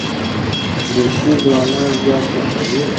دریشي ځوانان زیات خوښوي.